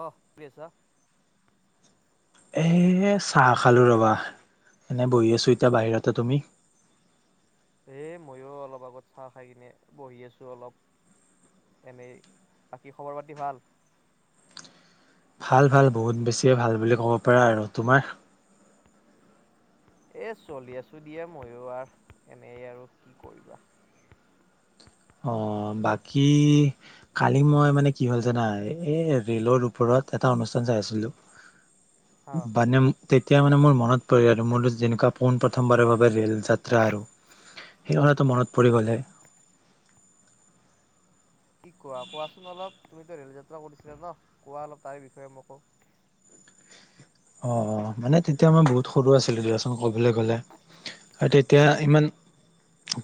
আহহ কিছা of চাহ খালো ৰবা এনে বহি আছো এতিয়া বাহিৰতে তুমি এ ময়ো অলপ আগত চাহ খাই পিনে বহি আছো অলপ, এনেই বাকী খবৰ পাতি ভাল! ভাল ভাল বহুত বেছিয়ে ভাল বুলি ক'ব পাৰা আৰু। তোমাৰ? এ চলি আছো দিয়া মইো আৰ এনে আৰু কি কৰিবা। অৱ বাকী কালি মই মানে কি হ'ল জানা এই ৰে'লৰ ওপৰত এটা অনুষ্ঠান চাই আছিলো। হা বানম তেতিয়া মানে মোৰ মনত পৰিলে আৰু মোৰ যেনেকুৱা পোন প্ৰথমবাৰৰ বাবে ৰে'ল যাত্ৰা আৰু। সেই কথাটো মনত পৰি গ'লহে কি কোৱা কোৱাচোন অলপ তুমিতো ৰে'ল যাত্ৰা কৰিছিলা ন কোৱা অলপ তাৰে বিষয়ে মোকো? অ অ মানে তেতিয়া মই বহুত সৰু আছিলো দিয়াচোন। ক'বলৈ গ'লে। এতিয়া ইমান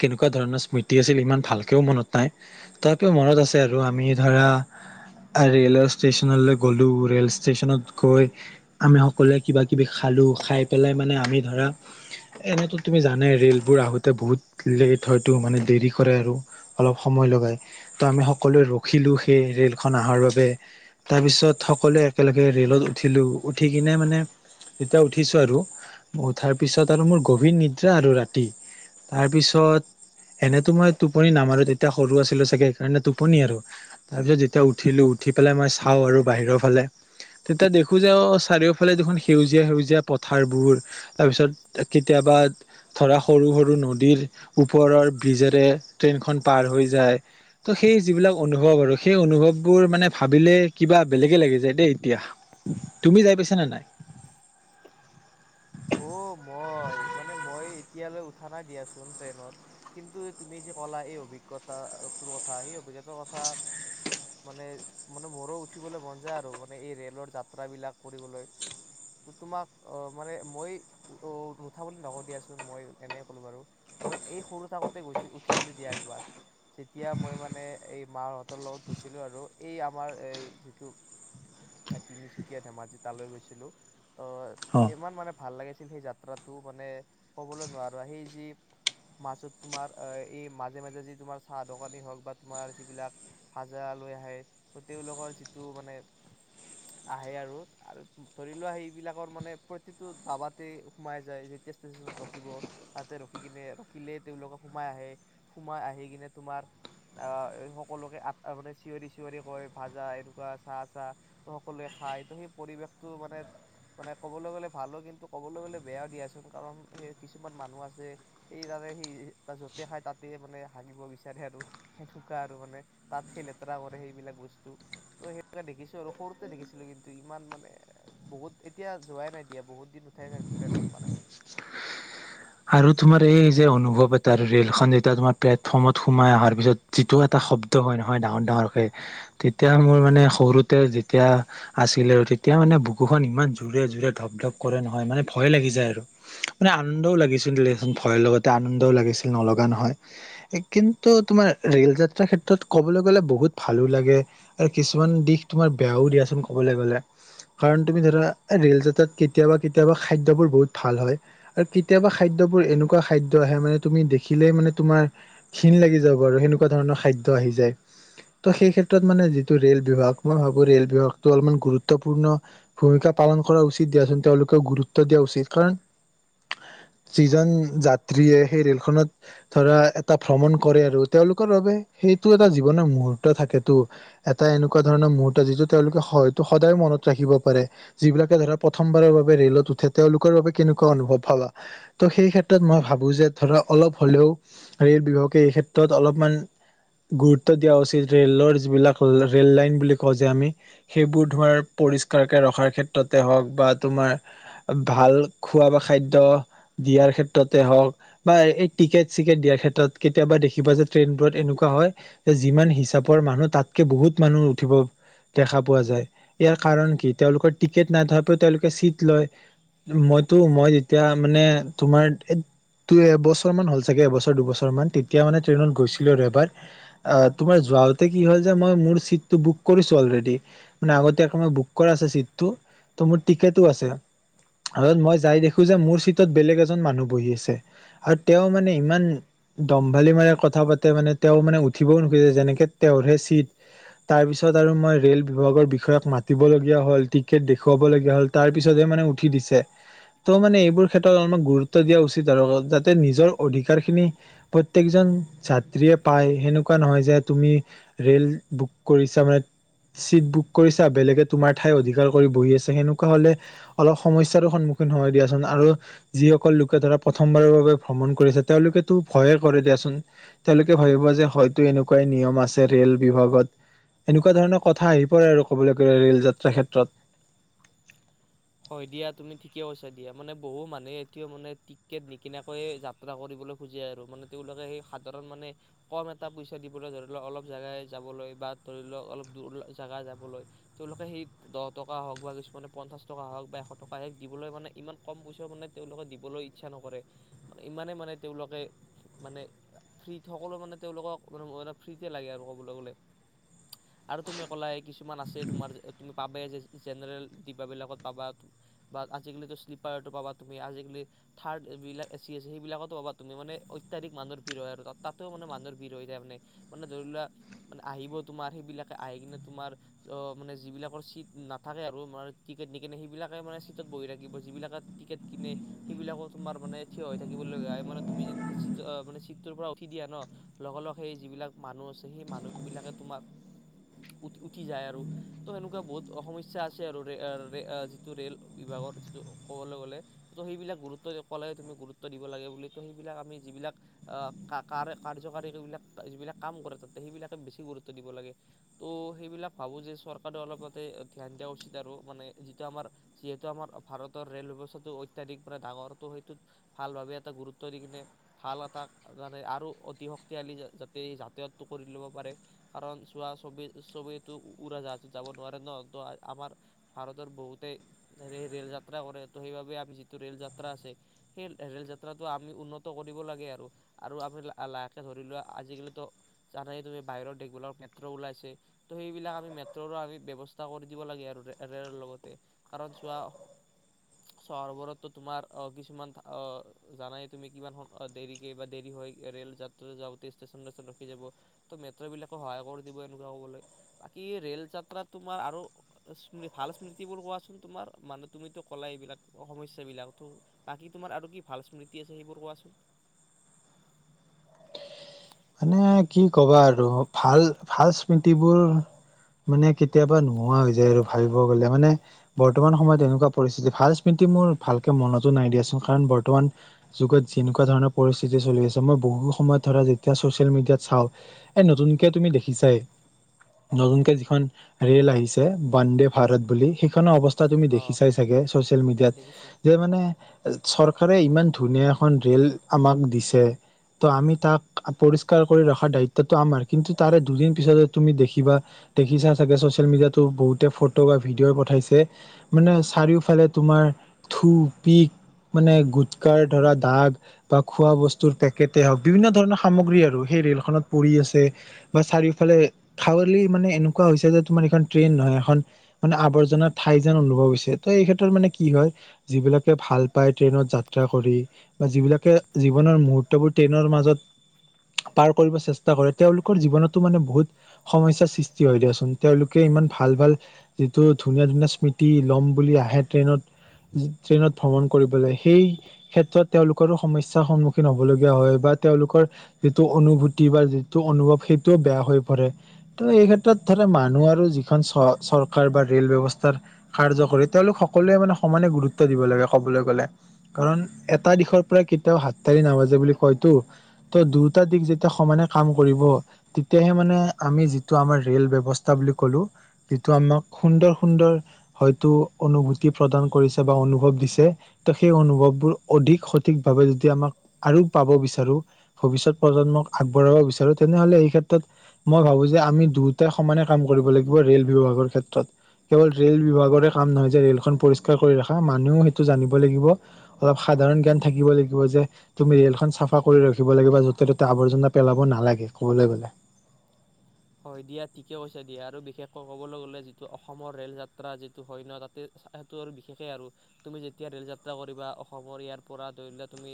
কেনেকুৱা ধৰণৰ স্মৃতি আছিল ইমান ভালকেও মনত নাই, তথাপিও মনত আছে আৰু আমি ধৰা ৰে'ল ষ্টেচনলৈ গ'লো, ৰেল ষ্টেচনত গৈ আমি সকলোৱে কিবা কিবি খালোঁ, খাই পেলাই মানে আমি ধৰা এনেতো তুমি জানাই ৰে'লবোৰ আহোঁতে বহুত লেট হয়তো মানে দেৰি কৰে আৰু। অলপ সময় লগাই তো আমি সকলোৱে ৰখিলোঁ সেই ৰে'লখন অহাৰ বাবে তাৰপিছত সকলোৱে একেলগে ৰে'লত উঠিলোঁ। উঠি কিনে মানে, যেতিয়া উঠিছো আৰু। উঠাৰ পিছত আৰু মোৰ গভীৰ নিদ্ৰা আৰু ৰাতি। তাৰপিছত এনেতো মই টোপনি নামাৰো তেতিয়া সৰু আছিলো চাগে সেইকাৰণে টোপনি আৰু তাৰ পিছত যেতিয়া উঠিলো উঠি পেলাই মই চাওঁ আৰু বাহিৰৰ ফালে তেতিয়া দেখো যে অ চাৰিওফালে দেখোন সেউজীয়া সেউজীয়া পথাৰবোৰ। তাৰপিছত কেতিয়াবা ধৰা সৰু সৰু নদীৰ ওপৰৰ বিজেৰে ট্ৰেইনখন পাৰ হৈ যায় ত' সেই যিবিলাক অনুভৱ আৰু সেই অনুভৱবোৰ মানে ভাবিলে কিবা বেলেগে লাগি যায় দেই এতিয়া। তুমি যাই পাইছানে নাই? অ মই মানে মই এতিয়ালৈ উঠা নাই দিয়াচোন ট্ৰেইনত। কিন্তু তুমি যি ক'লা এই অভিজ্ঞতাটোৰ কথা সেই অভিজ্ঞতাৰ কথা মানে মানে মোৰো উঠিবলৈ মন যায় আৰু মানে এই ৰেলৰ যাত্ৰা বিলাক কৰিবলৈ। ত তোমাক অ মানে মই অ নুঠা বুলি নকওঁ দিয়াচোন। মই এনেই কলো বাৰু মই এই সৰু থাকোতে গৈছো উঠিছিলো দিয়া একবাৰ। যেতিয়া মই মানে এই মাহঁতৰ লগত গৈছিলো আৰু এই আমাৰ, এই যিটো তিনিচুকীয়া ধেমাজি তালৈ গৈছিলো। ত অ ইমান মানে। ভাল লাগিছিল সেই যাত্ৰাটো মানে কবলৈ নোৱাৰো। সেই যি মাজত তোমাৰ এই মাজে মাজে যি তোমাৰ চাহ দোকানী হওক বা তোমাৰ যিবিলাক ভাজা লৈ আহে তেওঁলোকৰ যিটো মানে আহে আৰু আৰু ধৰি লোৱা সেইবিলাকৰ মানে প্ৰ দাবাতে সোমাই যায় যেতিয়া ষ্টেচনত ৰখিব তাতে ৰখি কিনে ৰখিলে তেওঁলোকে সোমাই আহে। সোমাই আহি কিনে তোমাক আহ সকলোকে আ মানে চিঞৰি চিঞৰি কয় ভাজা এনেকুৱা চাহ চাহ, ত সকলোৱে খাই ত সেই পৰিৱেশটো মানে মানে কবলৈ গ'লে ভালো কিন্তু ক'বলৈ গ'লে বেয়াও দিয়াচোন কাৰণ সেই কিছুমান মানুহ আছে সেই য'তেই, সেই য'তে খাই তাতে মানে হাগিব বিচাৰে, আৰু সেনেকুৱা আৰু মানে তাত সেই লেতেৰা কৰে সেইবিলাক বস্তু, ত সেনেকে দেখিছো আৰু সৰুতে দেখিছিলো কিন্তু ইমান মানে বহুত এতিয়া, যোৱাই নাই। এতিয়া বহুত দিন উঠে ট্ৰেইনত মানে। আৰু তোমাৰ এই যে অনুভৱ এটা আৰু ৰেলখন যেতিয়া তোমাৰ প্লেটফৰ্মত সোমাই অহাৰ পিছত যিটো এটা শব্দ হয় নহয় ডাঙৰ ডাঙৰকে, তেতিয়া মোৰ মানে সৰুতে যেতিয়া আছিল আৰু তেতিয়া মানে বুকুখন ইমান জোৰে জোৰে ধপ ধপ কৰে নহয় মানে ভয় লাগি যায় আৰু, মানে আনন্দও লাগিছে। ভয় লগতে আনন্দও লাগিছিল নলগা নহয়। কিন্তু তোমাৰ ৰেল যাত্ৰাৰ ক্ষেত্ৰত কবলৈ গলে বহুত ভালো লাগে, আৰু কিছুমান দিশ তোমাৰ বেয়াও দিয়াচোন কবলৈ গলে। কাৰণ তুমি ধৰা ৰেল যাত্ৰাত কেতিয়াবা কেতিয়াবা খাদ্যবোৰ বহুত ভাল হয়, আৰু কেতিয়াবা খাদ্যবোৰ এনেকুৱা খাদ্য আহে মানে তুমি দেখিলেই মানে তোমাৰ ঘীণ লাগি যাব, আৰু সেনেকুৱা ধৰণৰ খাদ্য আহি যায়। ত' সেই ক্ষেত্ৰত মানে যিটো ৰে'ল বিভাগ মই ভাবো ৰে'ল বিভাগটো অলপমান গুৰুত্বপূৰ্ণ ভূমিকা পালন কৰা উচিত দিয়াচোন তেওঁলোকে গুৰুত্ব দিয়া উচিত কাৰণ যিজন যাত্ৰীয়ে সেই ৰে'লখনত ধৰা এটা ভ্ৰমণ কৰে আৰু তেওঁলোকৰ বাবে সেইটো এটা জীৱনৰ মুহুৰ্ত থাকেটো এটা এনেকুৱা ধৰণৰ মুহুৰ্ত যিটো তেওঁলোকে হয়তো সদায় মনত ৰাখিব পাৰে, যিবিলাকে ধৰা প্ৰথমবাৰৰ বাবে ৰে'লত উঠে তেওঁলোকৰ বাবে কেনেকুৱা অনুভৱ ভাবা। ত' সেই ক্ষেত্ৰত মই ভাবোঁ যে ধৰা অলপ হ'লেও ৰে'ল বিভাগে এই ক্ষেত্ৰত অলপমান গুৰুত্ব দিয়া উচিত ৰে'লৰ যিবিলাক ৰে'ল লাইন বুলি কওঁ যে আমি সেইবোৰ ধুৱাৰ পৰিষ্কাৰকে ৰখাৰ ক্ষেত্ৰতে হওক বা তোমাৰ ভাল খোৱা বা খাদ্য, দিয়াৰ ক্ষেত্ৰতে হওক বা এই টিকেট চিকেট দিয়াৰ ক্ষেত্ৰত কেতিয়াবা দেখিবা যে ট্ৰেইনবোৰত এনেকুৱা হয় যে যিমান হিচাপৰ মানুহ তাতকৈ বহুত মানুহ উঠিব দেখা পোৱা যায়। ইয়াৰ কাৰণ কি তেওঁলোকৰ টিকেট নাইথোৱাকো তেওঁলোকে চিট লয় মইতো মই যেতিয়া মানে তোমাৰ দুই এবছৰ মান হ'ল চাগে এবছৰ দুবছৰ মান। তেতিয়া মানে ট্ৰেইনত গৈছিলো আৰু এবাৰ তোমাৰ যোৱাওতে কি হল যে মই মোৰ চিটটো বুক কৰিছো অলৰেডি। মানে আগতিয়াকৈ বুক কৰা আছে চিটতো মোৰ টিকটো আছে মই যাই দেখো যে মোৰ চিটত বেলেগ এজন তিনিজন মানুহ বহি আছে। আৰু তেওঁ মানে ইমান দম্ভালি মানে কথা পাতে মানে তেওঁ মানে উঠিবও নোখোজে যেনেকে তেওঁৰহে চিট। তাৰ পিছত আৰু মই ৰে'ল বিভাগৰ বিষয়াক মাতিবলগীয়া হ'ল টিকেট দেখুৱাব হ'ল তাৰ পিছতহে মানে উঠি দিছে। ত মানে এইবোৰ ক্ষেত্ৰত অলপ গুৰুত্ব দিয়া উচিত আৰু। যাতে নিজৰ অধিকাৰ খিনি প্ৰত্যকজন যাত্ৰীয়ে পায়। সেনেকুৱা নহয় যে তুমি ৰে'ল বুক কৰিছা মানে চিট বুক কৰিছা বেলেগে তোমাৰ ঠাই অধিকাৰ কৰি বহি আছে, সেনেকুৱা হলে অলপ সমস্যাৰ সন্মুখীন হয় দিয়াচোন, আৰু যি সকল লোকে ধৰা প্ৰথমবাৰৰ বাবে ভ্ৰমণ কৰিছে তেওঁলোকেতো ভয়ে কৰে দিয়াচোন। তেওঁলোকে ভাবিব যে হয়তো এনেকুৱাই নিয়ম আছে ৰে'ল বিভাগত। এনেকুৱা ধৰণৰ কথা আহি পৰে আৰু ক'বলৈ গ'লে ৰে'ল যাত্ৰা ক্ষেত্ৰত হয় দিয়া তুমি ঠিকেই কৈছা দিয়া বহু মানুহে এতিয়াও মানে টিকেট নিকিনাকৈয়ে যাত্ৰা কৰিবলৈ খোজে আৰু মানে তেওঁলোকে সেই সাধাৰণ মানে কম এটা পইচা দিবলৈ ধৰি লওক অলপ জেগাই যাবলৈ বা ধৰি লওক অলপ দূৰ জেগা যাবলৈ তেওঁলোকে সেই দহ টকা হওক বা কিছুমানে পঞ্চাশ দুশ টকা হওক বা এশ টকা দিবলৈ মানে ইমান কম পইচা মানে তেওঁলোকে দিবলৈ ইচ্ছা নকৰে। মানে ইমানে মানে তেওঁলোকে মানে ফ্ৰী সকলো মানে তেওঁলোকক ফ্ৰীতে লাগে আৰু ক'বলৈ গ'লে। আৰু তুমি ক'লা কিছুমান আছে তোমাৰ তুমি পাব যে জেনেৰেল ডিব্বা বিলাকত পাবা, বা আজি কালি শ্লিপাৰো পাবা তুমি, আজিকালি থাৰ্ড বিলাক এচি আছে সেইবিলাকতো পাবা তুমি মানে অত্যাধিক মানুহৰ ভিৰ হয় আৰু তাতেও মানে মানুহৰ ভিৰ হৈ যায় মানে মানে ধৰি লোৱা মানে আহিব তোমাৰ সেইবিলাকে আহি কিনে তোমাৰ অ মানে যিবিলাকৰ চিট নাথাকে আৰু টিকনে সেইবিলাকে মানে চিটত বহি থাকিব যিবিলাকে টিকেট কিনে সেইবিলাকো তোমাৰ মানে থিয় হৈ থাকিব লগীয়া হয়। মানে তুমি যে মানে চিটটোৰ পৰা উঠি দিয়া ন লগালগ সেই যিবিলাক মানুহ আছে সেই মানুহ বিলাকে তোমাক উ উঠি যায় আৰু তেনেকুৱা বহুত সমস্যা আছে আৰু ৰে যিটো ৰে'ল বিভাগৰ যিটো ক'বলৈ গ'লে ত' সেইবিলাক গুৰুত্ব ক'লে তুমি গুৰুত্ব দিব লাগে বুলি তো সেইবিলাক আমি যিবিলাক কা কাৰে কাৰ্যকাৰীবিলাক যিবিলাক কাম কৰে তাতে সেইবিলাকে বেছি গুৰুত্ব দিব লাগে। ত' সেইবিলাক ভাবোঁ যে চৰকাৰে অলপ তাতে ধ্যান দিয়া উচিত আৰু মানে যিটো আমাৰ যিহেতু আমাৰ ভাৰতৰ ৰে'ল ব্যৱস্থাটো অত্যাধিক মানে ডাঙৰ সেইটোত ভাল ভাৱে এটা গুৰুত্ব দি কিনে ভাল এটা মানে আৰু অতি শক্তিশালী যাতে যাতায়াতটো কৰি ল'ব পাৰে কাৰণ চোৱা ছবি ছবিটো উৰা জাহাজত যাব নোৱাৰে ন ত আমাৰ ভাৰতৰ বহুতেই হে ৰে'ল যাত্ৰা কৰে তো সেইবাবে আমি যিটো ৰে'ল যাত্ৰা আছে সেই ৰে'ল যাত্ৰাটো আমি উন্নত কৰিব লাগে আৰু আৰু আমি লাহকে ধৰি লোৱা আজিকালিতো জানেই তুমি বাহিৰৰ দেশবিলাক মেট্ৰ' ওলাইছে। তো সেইবিলাক আমি মেট্ৰ'ৰো আমি ব্যৱস্থা কৰি দিব লাগে আৰু ৰেল লগতে। কাৰণ চোৱা চহৰবোৰতো তোমাৰ অ কিছুমান অ জানাই তুমি কিমান হক দেৰিকে বা দেৰি হয় ৰেল যাত্ৰী যাওঁতে ষ্টেচন ষ্টেচনে ৰখি যাব ত মেট্ৰ বিলাকে সহায় কৰি দিব এনেকুৱা কবলৈ বাকী ৰে'ল যাত্ৰাত তোমাৰ আৰু ভাল স্মৃতিবোৰ কোৱাচোন তোমাৰ মানে তুমিতো কলা এইবিলাক সমস্যাবিলাকতো ত বাকী তোমাৰ আৰু কি ভাল স্মৃতি আছে সেইবোৰ কোৱাচোন? মানে কি ক'বা আৰু ভাল ভাল স্মৃতিবোৰ মানে কেতিয়াবা নোহোৱা হৈ যায় আৰু ভাবিব গলে মানে বৰ্তমান সময়ত এনেকুৱা পৰিস্থিতি ভাল স্মৃতি মোৰ ভালকে মনতো নাই দিয়াচোন কাৰণ বৰ্তমান যুগত যেনেকুৱা ধৰণৰ পৰিস্থিতি চলি আছে মই বহু সময়ত ধৰা এতিয়া চচিয়েল মিডিয়াত চাও, এই নতুনকে তুমি দেখিছাই নতুনকে যিখন ৰেল আহিছে বন্দে ভাৰত বুলি সেইখনৰ অৱস্থা তা তুমি অ দেখি চাই চাগে চচিয়েল মিডিয়াত দেখিছো যে মানে চৰকাৰে ইমান ধুনীয়া এখন ৰেল আমাক দিছে ত' আমি তাক পৰিষ্কাৰ কৰি ৰখাৰ দায়িত্বটো আমাৰ। কিন্তু তাৰে দুদিন পিছত তুমি দেখিবা দেখিছা চাগে চচিয়েল মিডিয়াতো বহুতে ফটো বা ভিডিঅ' পঠাইছে মানে চাৰিওফালে তোমাৰ থু পিক মানে গুটকাৰ ধৰা দাগ বা খোৱা বস্তুৰ পেকেটে হওক বিভিন্ন ধৰণৰ সামগ্ৰী আৰু সেই ৰেলখনত পৰি আছে বা চাৰিওফালে খাৱলি মানে এনেকুৱা হৈছে যে তোমাৰ এখন ট্ৰেইন নহয় এখন মানে আৱৰ্জনা ঠাই যেন অনুভৱ হৈছে ত এই ক্ষেত্ৰত মানে কি হয় যিবিলাকে ভাল পায় ট্ৰেইনত যাত্ৰা কৰি বা যিবিলাকে জীৱনৰ মুহুৰ্তবোৰ ট্ৰেইনৰ মাজত পাৰ কৰিব চেষ্টা কৰে, তেওঁলোকৰ জীৱনতো মানে বহুত সমস্যাৰ সৃষ্টি হয় দিয়াচোন। তেওঁলোকে ইমান ভাল ভাল যিটো ধুনীয়া ধুনীয়া স্মৃতি লম বুলি আহে ট্ৰেইনত ট্ৰেইনত ভ্ৰমণ কৰিবলৈ সেই ক্ষেত্ৰত তেওঁলোকৰো সমস্যাৰ সন্মুখীন হব লগীয়া হয় বা তেওঁলোকৰ যিটো অনুভূতি বা যিটো অনুভৱ সেইটোও বেয়া হৈ পৰে ত' এই ক্ষেত্ৰত ধৰা মানুহ আৰু যিখন চ চৰকাৰ বা ৰেল ব্যৱস্থাৰ কাৰ্যকাৰী তেওঁলোক সকলোৱে মানে সমানে গুৰুত্ব দিব লাগে ক'বলৈ গ'লে কাৰণ এটা দিশৰ পৰা কেতিয়াও হাততাৰি নাবাজে বুলি কয়তো ত দু অত্যাধিক যেতিয়া সমানে কাম কৰিব তেতিয়াহে মানে আমি যিটো আমাৰ ৰেল ব্যৱস্থা বুলি কলো যিটো আমাক সুন্দৰ সুন্দৰ হয়তো অনুভূতি প্ৰদান কৰিছে বা অনুভৱ দিছে ত সেই অনুভৱবোৰ অধিক সঠিকভাৱে যদি আমাক আৰু পাব বিচাৰো ভৱিষ্যতে প্ৰজন্মক আগবঢ়াব বিচাৰোঁ তেনেহলে এই ক্ষেত্ৰত মই ভাবো যে আমি দুয়টাই সমানে কাম কৰিব লাগিব ৰেল বিভাগৰ ক্ষেত্ৰত কেৱল ৰেল বিভাগৰে কাম নহয় যে ৰেলখনন পৰিষ্কাৰ কৰি ৰখা মানুহও সেইটো জানিব লাগিব অলপ সাধাৰণ জ্ঞান থাকিব লাগিব যে তুমি ৰেলখন চাফা কৰি ৰাখিব লাগিব, যতে ততে আৱৰ্জনা পেলাব নালাগে ক'বলৈ গ'লে। হয় দিয়া ঠিকে কৈছা দিয়া আৰু বিশেষকৈ কবলৈ গলে যিটো অসমৰ ৰেল যাত্ৰা যিটো হয় ন তাতে সেইটো আৰু বিশেষে আৰু তুমি যেতিয়া ৰেল যাত্ৰা কৰিবা অসমৰ ইয়াৰ পৰা ধৰি লোৱা তুমি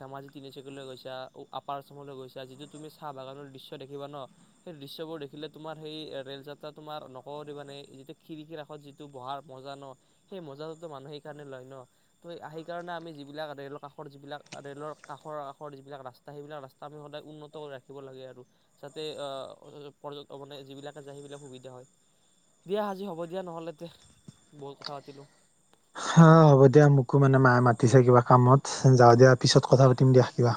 ধেমাজি তিনিচুকীয়ালৈ গৈছা আপাৰ আচামলৈ গৈছা যিটো তুমি চাহ বাগানৰ দৃশ্য দেখিবা ন, সেই দৃশ্যবোৰ দেখিলে তোমাৰ সেই ৰেল যাত্ৰা তোমাৰ নকৰি মানে যিটো খিৰিকীৰ কাষত যিটো বহাৰ মজা ন সেই মজাটোতো মানুহে সেইকাৰণে লয় ন ত' সেইকাৰণে আমি যিবিলাক ৰে'ল কাষৰ যিবিলাক ৰে'লৰ কাষৰ কাষৰ যিবিলাক ৰাস্তা সেইবিলাক ৰাস্তা আমি সদায় উন্নত কৰি ৰাখিব লাগে আৰু যাতে আ পৰ্যটক মনে যিবিলাকে যায় সেইবিলাক সুবিধা হয় দিয়া আজি হ'ব দিয়া নহ'লে তে বহুত কথা পাতিলো, হা হ'ব দিয়া মোকো মানে মায়ে মাতিছে কিবা কামত যাওঁ দিয়া পিছত কথা পাতিম দিয়া কিবা